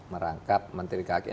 merangkap menteri kehakiman